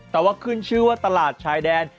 แต่ว่าขึ้นชื่อว่าตลาดชายแดน